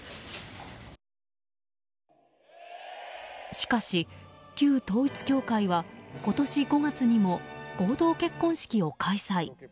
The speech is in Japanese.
しかし、旧統一教会は今年５月にも合同結婚式を開催。